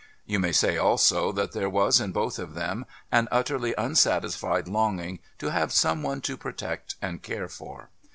You may say, too, that there was in both of them an utterly unsatisfied longing to have some one to protect and care for.